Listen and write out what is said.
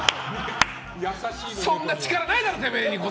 そんな力ないだろ、てめえに！